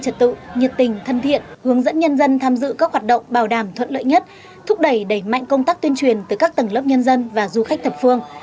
trật tự nhiệt tình thân thiện hướng dẫn nhân dân tham dự các hoạt động bảo đảm thuận lợi nhất thúc đẩy đẩy mạnh công tác tuyên truyền từ các tầng lớp nhân dân và du khách thập phương